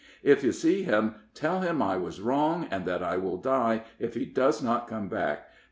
If you see him, tell him I was wrong, and that I will die if he does not come back.